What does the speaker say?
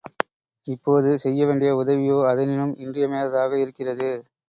இப்போது செய்ய வேண்டிய உதவியோ அதனினும் இன்றியமையாததாக இருக்கிறது.